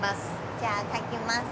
じゃあ描きます。